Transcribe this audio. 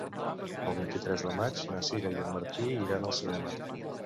El vint-i-tres de maig na Sira i en Martí iran al cinema.